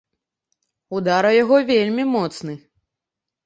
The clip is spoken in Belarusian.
Удар у яго вельмі моцны.